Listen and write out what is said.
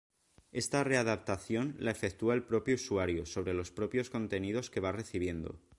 Esta readaptación la efectúa el propio usuario sobre los propios contenidos que va recibiendo.